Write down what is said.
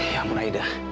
ya ampun aida